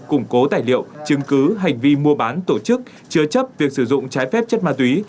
củng cố tài liệu chứng cứ hành vi mua bán tổ chức chứa chấp việc sử dụng trái phép chất ma túy